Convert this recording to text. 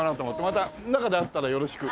また中で会ったらよろしく。